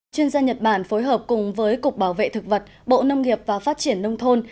chuyên gia nhật bản phối hợp cùng với cục bảo vệ thực vật bộ nông nghiệp và phát triển nông thôn